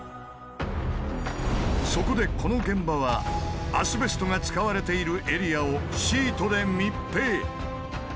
そこでこの現場はアスベストが使われているエリアをシートで密閉。